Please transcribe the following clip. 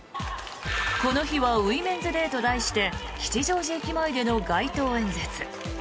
この日はウィメンズデーと題して吉祥寺駅前での街頭演説。